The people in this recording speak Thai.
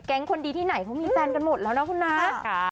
คนดีที่ไหนเขามีแฟนกันหมดแล้วนะคุณนะ